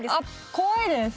怖いです？